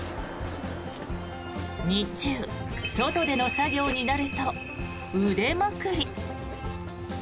日中、外での作業になると腕まくり。